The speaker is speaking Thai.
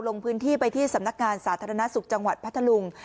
ลงพื้นที่ไปที่สำนักงานสาธารณสุขจังหวัดพัทธลุง